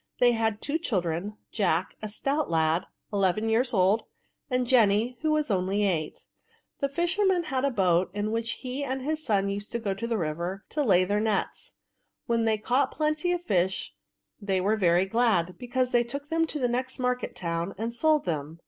They had two children — Jack, a stout lad, eleven years old, and Jenny, who was only, eight. The fisherman had a boat, in which he and his son used to go on the river to lay their nets ; when they caught plenty of fish, they were very glad, because they G 8 64 VERBS. took them to the next market town and sold them.